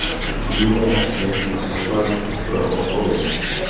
Činíme tak s velkým smyslem pro odpovědnost.